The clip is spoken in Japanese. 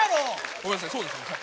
ごめんなさいそうですねはい。